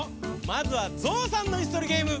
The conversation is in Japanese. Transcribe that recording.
まずはゾウさんのいすとりゲーム。